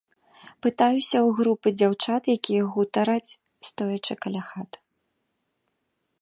Пытаюся ў групы дзяўчат, якія гутараць, стоячы каля хат.